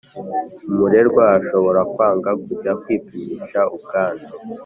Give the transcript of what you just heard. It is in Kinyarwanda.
Umurerwa ashobora kwanga kujya kwipimisha ubwandu